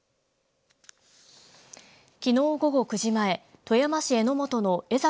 きのう午後９時前富山市江本の江嵜